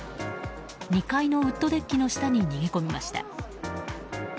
２階のウッドデッキの下に逃げ込みました。